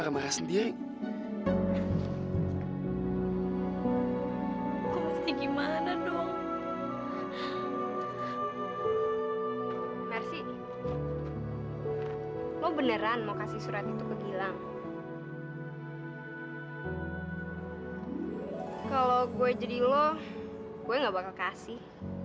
gue gak bakal kasih